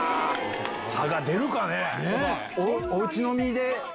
差が出るかね？